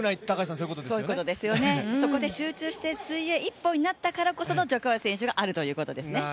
そういうことですよね、そこで集中して水泳一本になったからこその徐嘉余選手があるということですね。